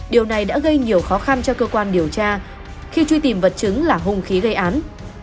điều này đã gây nhiều khó khăn cho cơ quan điều tra khi truy tìm vật chứng là hung khí gây án